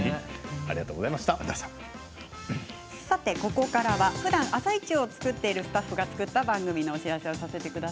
ここからはふだん「あさイチ」を作っているスタッフが作った番組のお知らせです。